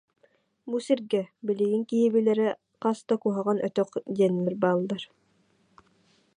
Бу сиргэ, билигин киһи билэрэ, хас да «куһаҕан өтөх» диэннэр бааллар